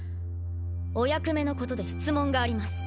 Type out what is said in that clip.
お役目のことで質問があります。